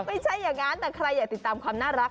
ไม่ใช่อย่างนั้นแต่ใครอยากติดตามความน่ารัก